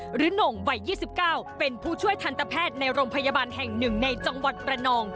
หน่งวัย๒๙เป็นผู้ช่วยทันตแพทย์ในโรงพยาบาลแห่ง๑ในจังหวัดประนอง